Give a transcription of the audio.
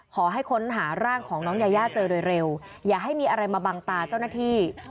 ขอให้ค้นหาร่างของน้องยายาเจอโดยเร็วอย่าให้มีอะไรมาบังตาเจ้าหน้าที่